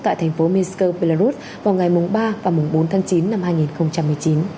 tại thành phố minskel belarus vào ngày ba và bốn tháng chín năm hai nghìn một mươi chín